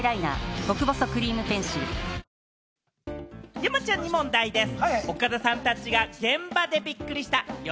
山ちゃんに問題でぃす。